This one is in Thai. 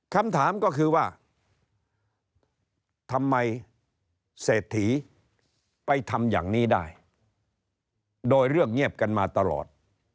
คำถามก็คือว่าทำไมเศรษฐีไปทำอย่างนี้ได้โดยเรื่องเงียบกันมาตลอด